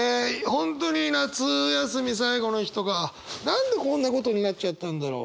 本当に夏休み最後の日とか何でこんなことになっちゃったんだろう。